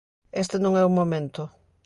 Este non é o momento.